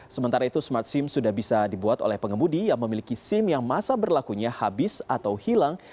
sementara itu smart sim sudah bisa dibuat oleh pengemudi yang memiliki sim yang masa berlakunya habis atau hilang